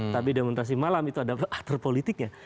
tapi demonstrasi malam itu ada aktor politiknya